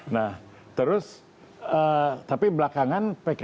nah terus tapi belakangan pks